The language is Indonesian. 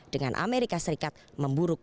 dengan amerika serikat memburuk